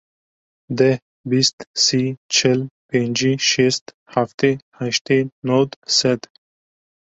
Deh, bîst, sî, çil, pêncî, şêst, heftê, heştê, nod, sed.